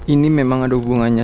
ini memang ada hubungannya